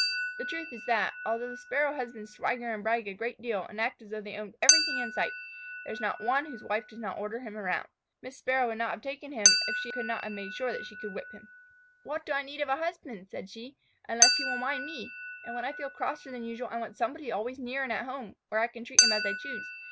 The truth is that, although the Sparrow husbands swagger and brag a great deal and act as though they owned everything in sight, there is not one whose wife does not order him around. Miss Sparrow would not have taken him if she had not made sure that she could whip him. "What do I need of a husband," she said, "unless he will mind me? And when I feel crosser than usual I want somebody always near and at home, where I can treat him as I choose.